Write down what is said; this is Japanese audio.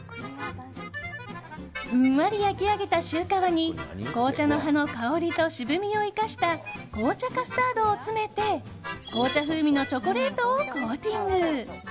ふんわり焼き上げたシュー皮に紅茶の葉の香りと渋みを生かした紅茶カスタードを詰めて紅茶風味のチョコレートをコーティング。